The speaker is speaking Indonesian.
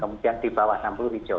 kemudian di bawah enam puluh hijau